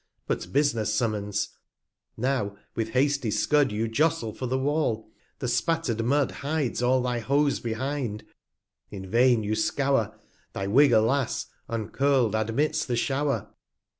But Bus'ness summons; Now with hasty Scud You jostle for the Wall; the spatter'd Mud 200 Hides all thy Hose behind; in vain you scow'r, Thy Wig alas! uncurFd, admits the Show'r.